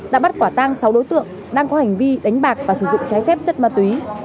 đã bắt quả tang sáu đối tượng đang có hành vi đánh bạc và sử dụng trái phép chất ma túy